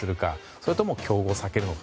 それとも競合を避けるのか